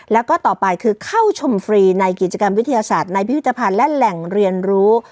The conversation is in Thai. แล้วก็ต่อไปคือเข้าชมฟรีในกิจกรรมวิทยาศาสตร์ในพิพิธภัณฑ์และแหล่งเรียนรู้